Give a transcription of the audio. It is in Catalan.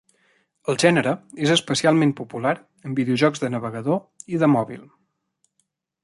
El gènere és especialment popular en videojocs de navegador i de mòbil.